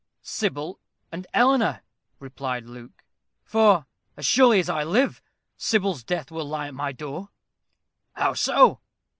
"Sybil and Eleanor," replied Luke; "for, as surely as I live, Sybil's death will lie at my door." "How so?"